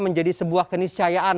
menjadi sebuah keniscayaan